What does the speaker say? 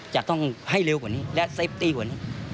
จะต้องให้เร็วกว่านี้และเซฟตี้กว่านี้